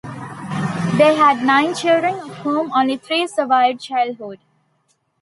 They had nine children, of whom only three survived childhood.